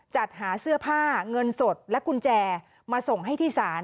จัดหาเสื้อผ้าเงินสดและกุญแจมาส่งให้ที่ศาล